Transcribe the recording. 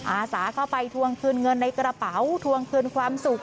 อาสาเข้าไปทวงคืนเงินในกระเป๋าทวงคืนความสุข